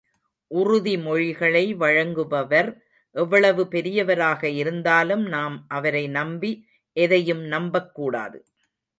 உறுதிமொழிகளை வழங்குபவர் எவ்வளவு பெரியவராக இருந்தாலும் நாம் அவரை நம்பி, எதையும் நம்பக்கூடாது.